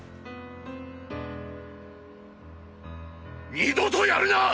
二度とやるな！！